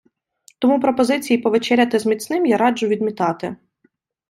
Тому пропозиції повечеряти з міцним я раджу відмітати.